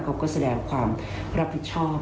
เขาก็แสดงความรับผิดชอบ